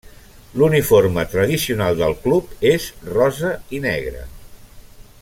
L'uniforme tradicional del club és rosa i negre.